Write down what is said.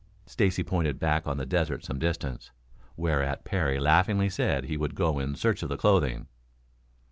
Stacy pointed back on the desert some distance, whereat Parry laughingly said he would go in search of the clothing.